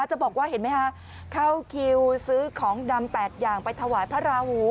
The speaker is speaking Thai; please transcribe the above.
จะบอกว่าเห็นไหมคะเข้าคิวซื้อของดำ๘อย่างไปถวายพระราหู